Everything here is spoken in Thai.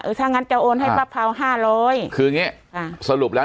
เออถ้างั้นจะโอนให้ป้าเผาห้าร้อยคืองี้สรุปแล้ว